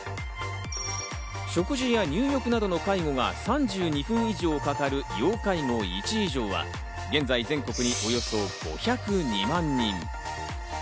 食事や入浴などの介護が３２分以上かかる要介護１以上は、現在全国におよそ５０２万人。